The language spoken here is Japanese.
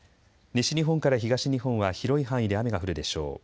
西日本から東日本は広い範囲で雨が降るでしょう。